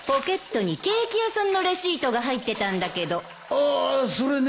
ああそれね